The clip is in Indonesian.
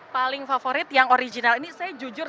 paling favorit yang original ini saya jujur